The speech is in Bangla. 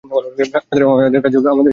আমাদের কাজ চলিবে কী করিয়া?